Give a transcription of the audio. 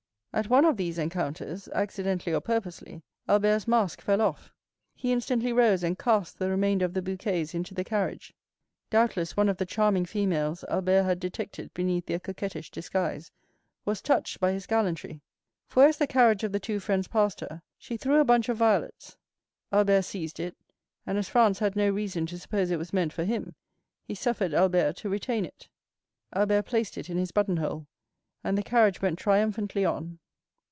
At one of these encounters, accidentally or purposely, Albert's mask fell off. He instantly rose and cast the remainder of the bouquets into the carriage. Doubtless one of the charming females Albert had detected beneath their coquettish disguise was touched by his gallantry; for, as the carriage of the two friends passed her, she threw a bunch of violets. Albert seized it, and as Franz had no reason to suppose it was meant for him, he suffered Albert to retain it. Albert placed it in his button hole, and the carriage went triumphantly on.